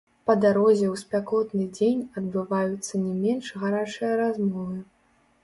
Па дарозе ў спякотны дзень адбываюцца не менш гарачыя размовы.